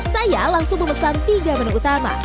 saya langsung memesan tiga menu utama